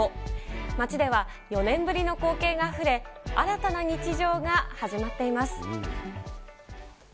街では４年ぶりの光景があふれ、新たな日常が始まっています。